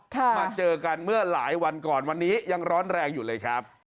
มาเจอกันเมื่อหลายวันก่อนวันนี้ยังร้อนแรงอยู่เลยครับ